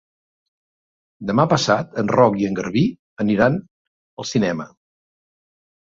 Demà passat en Roc i en Garbí aniran al cinema.